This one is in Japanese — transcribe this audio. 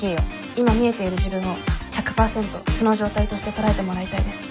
今見えている自分を１００％素の状態として捉えてもらいたいです。